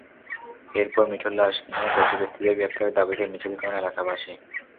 এরপর মিঠুর লাশ নিয়ে দোষী ব্যক্তিদের গ্রেপ্তারের দাবিতে মিছিল করেন এলাকাবাসী।